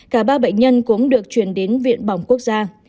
cả ba bệnh nhân cũng được chuyển đến viện bỏng quốc gia